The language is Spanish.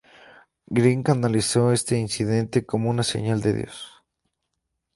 Green canalizó este incidente como una señal de Dios.